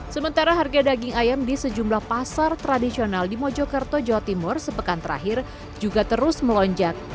sementara harga daging ayam di sejumlah pasar tradisional di mojokerto jawa timur sepekan terakhir juga terus melonjak